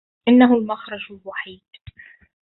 إنه المخرج الوحيد